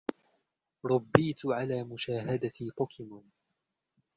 رُبِّيْتُ على مشاهدة بوكيمون.